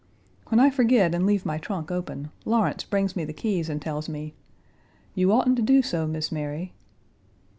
When I forget and leave my trunk open, Lawrence brings me the keys and tells me, "You oughten to do so, Miss Mary."